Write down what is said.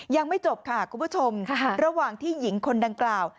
ยังไม่จบค่ะคุณผู้ชมระหว่างที่หญิงคนดังกล่าว